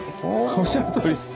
おっしゃるとおりです。